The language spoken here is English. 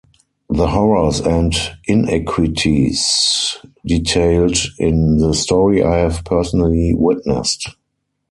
The horrors and inequities detailed in the story I have personally witnessed.